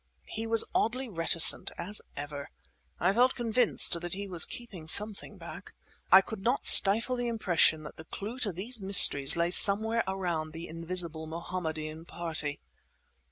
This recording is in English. He was oddly reticent, as ever. I felt convinced that he was keeping something back. I could not stifle the impression that the clue to these mysteries lay somewhere around the invisible Mohammedan party.